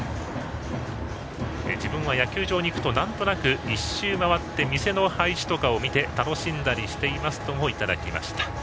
自分は野球場に行くとなんとなく１周回って店の配置とかを見て楽しんだりしていますといただきました。